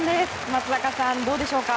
松坂さん、どうでしょうか。